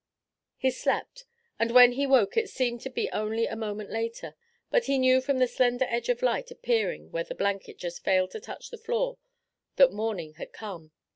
He slept, and when he woke it seemed to be only a moment later, but he knew from the slender edge of light appearing where the blanket just failed to touch the floor that morning had come.